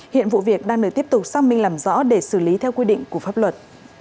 hiện vụ việc đang được tiếp tục xác minh làm rõ để xử lý theo quy định của pháp luật